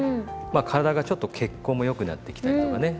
まあ体がちょっと血行も良くなってきたりとかね。